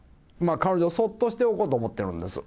彼女をそっとしておこうと思ってるんです。